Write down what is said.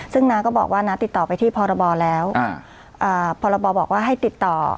ซึ่งน้าก็บอกว่าน้าติดต่อไปที่พรบแล้วพรบบอกว่าให้ติดต่อ